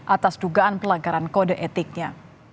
atas dugaan pelanggaran kode etiknya